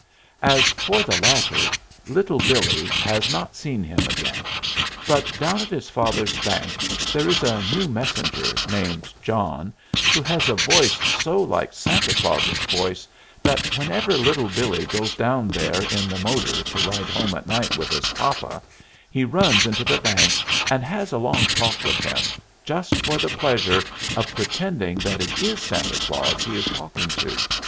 As for the latter, Little Billee has not seen him again; but down at his father's bank there is a new messenger, named John, who has a voice so like Santa Claus's voice that whenever Little Billee goes down there in the motor to ride home at night with his papa, he runs into the bank and has a long talk with him, just for the pleasure of pretending that it is Santa Claus he is talking to.